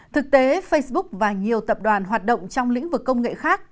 thực tế facebook và nhiều tập đoàn hoạt động trong lĩnh vực công nghệ khác